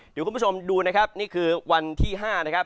เดี๋ยวคุณผู้ชมดูนะครับนี่คือวันที่๕นะครับ